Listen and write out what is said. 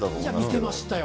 見てましたよ。